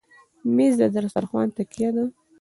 مېز د دسترخوان تکیه ده.